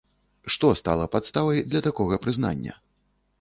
Што стала падставай для таго прызнання?